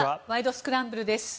スクランブル」です。